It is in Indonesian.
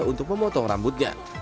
untuk memotong rambutnya